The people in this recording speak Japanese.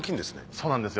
そうなんですよ。